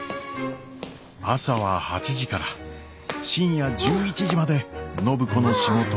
朝は８時から深夜１１時まで暢子の仕事は続きます。